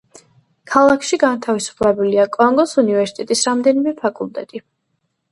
ქალაქში განთავსებულია კონგოს უნივერსიტეტის რამდენიმე ფაკულტეტი.